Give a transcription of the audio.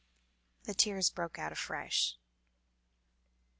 The tears broke out afresh.